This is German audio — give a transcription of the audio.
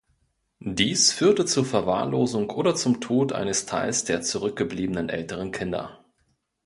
Dies führte zur Verwahrlosung oder zum Tod eines Teils der zurückgebliebenen älteren Kinder.